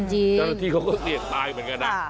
เจ้าหน้าที่เขาก็เสี่ยงตายเหมือนกันนะ